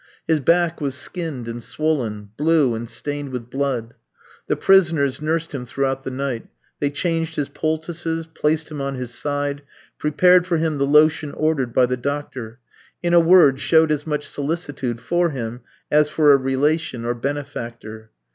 His back was skinned and swollen, blue, and stained with blood. The prisoners nursed him throughout the night; they changed his poultices, placed him on his side, prepared for him the lotion ordered by the doctor; in a word, showed as much solicitude for him as for a relation or benefactor.